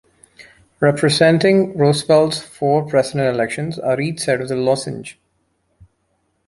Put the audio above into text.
Representing Roosevelt's four President elections are each side of the lozenge.